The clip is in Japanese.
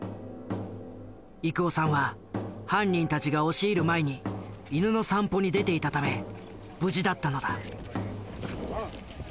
郁男さんは犯人たちが押し入る前に犬の散歩に出ていたため無事だったのだ。